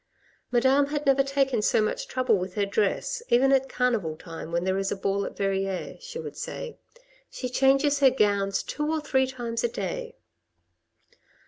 Madame had never taken so much trouble with her dress, even at carnival time, when there is a ball at Verrieres, she would say ; she changes her gowns two or three times a day.